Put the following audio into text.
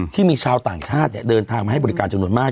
ที่มีชาวต่างชาติเดินทางมาให้บริการจำนวนมาก